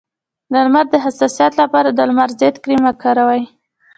د لمر د حساسیت لپاره د لمر ضد کریم وکاروئ